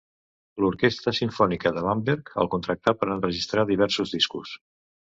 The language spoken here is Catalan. L'Orquestra Simfònica de Bamberg el contractà per enregistrar diversos discos.